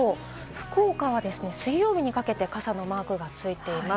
福岡は水曜日にかけて傘のマークがついています。